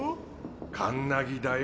カンナギだよ。